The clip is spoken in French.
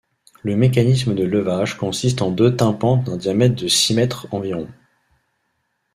Le mécanisme de levage consiste en deux tympans d'un diamètre de six mètres environ.